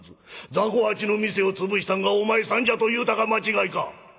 雑穀八の店を潰したんがお前さんじゃと言うたが間違いか？